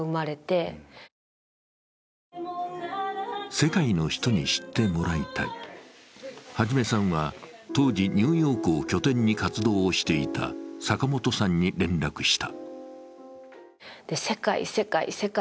世界の人に知ってもらいたい元さんは当時、ニューヨークを拠点に活動していた坂本さんに連絡した。